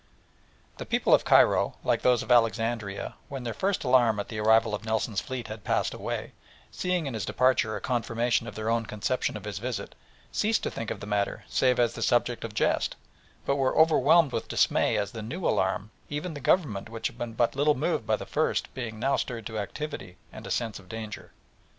The people of Cairo, like those of Alexandria, when their first alarm at the arrival of Nelson's fleet had passed away, seeing in his departure a confirmation of their own conception of his visit, ceased to think of the matter save as the subject of jest, but were overwhelmed with dismay at the new alarm, even the Government, which had been but little moved by the first, being now stirred to activity and a sense of danger.